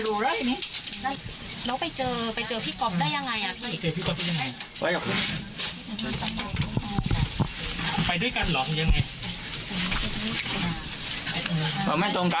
เพื่อนแนวเพื่อนแม่เป็นญาติกันไม่ไม่เห็นข้อมูลอะไรขอโทษนะคะ